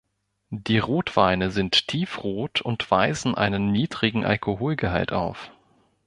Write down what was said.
Die Rotweine sind tiefrot und weisen einen niedrigen Alkoholgehalt auf.